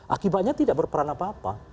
akibatnya tidak berperan apa apa